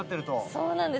◆そうなんです。